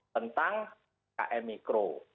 tentang km mikro